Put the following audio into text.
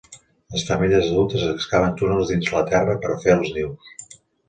Les femelles adultes excaven túnels dins la terra per a fer els nius.